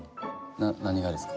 な何がですか？